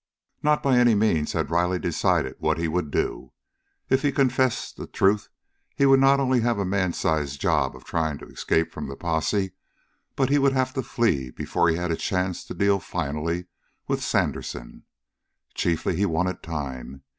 Not by any means had Riley decided what he would do. If he confessed the truth he would not only have a man sized job trying to escape from the posse, but he would have to flee before he had a chance to deal finally with Sandersen. Chiefly he wanted time.